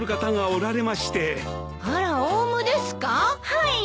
はい。